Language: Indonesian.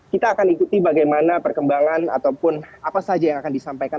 kita akan ikuti bagaimana perkembangan ataupun apa saja yang akan disampaikan